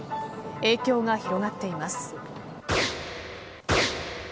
影響が広がっています。